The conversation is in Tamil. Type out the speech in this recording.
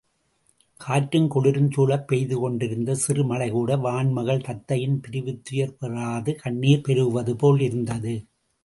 காற்றும் குளிரும் சூழப் பெய்துகொண்டிருந்த சிறு மழைகூட வான் மகள், தத்தையின் பிரிவுத்துயர் பொறாது கண்ணிர் பெருக்குவது போலிருந்தது.